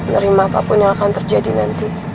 nerima apapun yang akan terjadi nanti